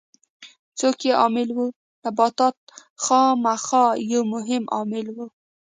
څوک یې عامل وو؟ نباتات خامخا یو مهم عامل و.